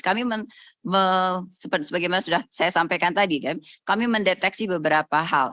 kami sebagaimana sudah saya sampaikan tadi kami mendeteksi beberapa hal